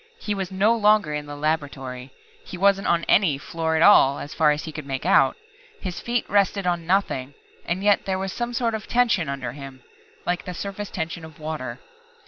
He was no longer in the laboratory. He wasn't on any, floor at all, as far as he could make out. His feet rested on nothing and yet there was some sort of tension under him like the surface tension of water.